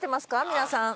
皆さん。